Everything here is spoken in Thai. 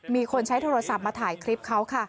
มีคนใช้โทรศัพท์มาถ่ายคลิปเขาค่ะ